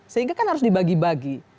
sehingga kan harus dibagi bagi